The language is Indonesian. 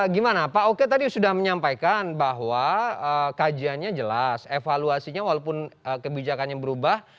gimana pak oke tadi sudah menyampaikan bahwa kajiannya jelas evaluasinya walaupun kebijakannya berubah